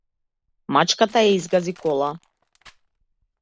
Мачката ја изгази кола.